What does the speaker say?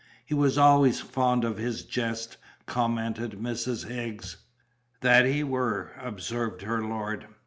"He was always fond of his jest," commented Mrs. Higgs. "That he were!" observed her lord.